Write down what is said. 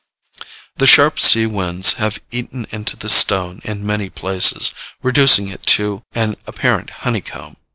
The sharp sea winds have eaten into the stone in many places, reducing it to an apparent honeycomb.